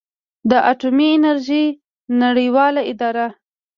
د اټومي انرژۍ نړیواله اداره